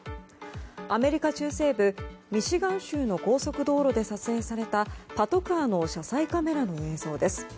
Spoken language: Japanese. アメリカ中西部ミシガン州の高速道路で撮影されたパトカーの車載カメラの映像です。